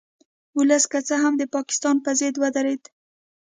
ولس که څه هم د پاکستان په ضد ودرید